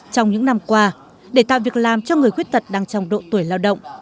trong những năm qua để tạo việc làm cho người khuyết tật đang trong độ tuổi lao động